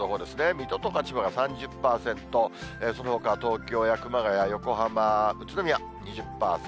水戸とか千葉が３０％、そのほか東京や熊谷、横浜、宇都宮２０％。